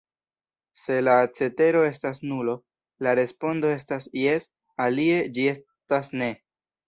Se la cetero estas nulo, la respondo estas 'jes'; alie, ĝi estas 'ne'.